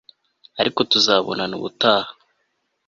ariko tuzabonana.ubutaha